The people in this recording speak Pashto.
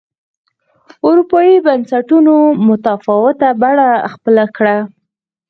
اروپایي بنسټونو متفاوته بڼه خپله کړه